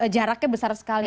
jaraknya besar sekali